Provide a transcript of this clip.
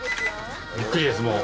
びっくりですもう。